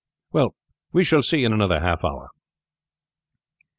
Well, we shall see in another half hour."